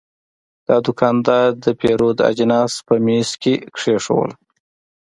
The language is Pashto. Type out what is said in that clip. دا دوکاندار د پیرود اجناس په میز کې کېښودل.